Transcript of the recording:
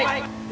ya nama dia